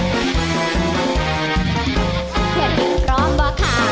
เพลงพร้อมป่ะค่ะ